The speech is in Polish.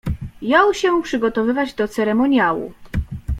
Jął się przygotowywać do ceremoniału.